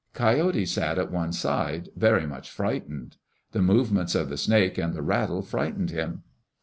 Coyote sat at one side, very much frightened. The movements of the snake and the rattle frightened him.